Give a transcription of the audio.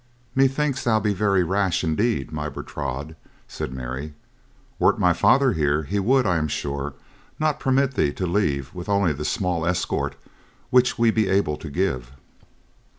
"Methinks thou be very rash indeed, my Bertrade," said Mary. "Were my father here he would, I am sure, not permit thee to leave with only the small escort which we be able to give."